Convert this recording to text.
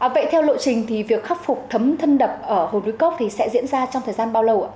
vậy theo lộ trình thì việc khắc phục thấm thân đập ở hồ núi cốc thì sẽ diễn ra trong thời gian bao lâu ạ